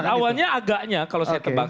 maksud awalnya agaknya kalau saya tebang